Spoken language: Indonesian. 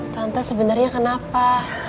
tante sebenernya kenapa